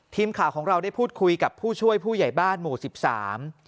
ทีมข่าวของเราได้พูดคุยกับผู้ช่วยผู้ใหญ่บ้านหมู่สิบสาม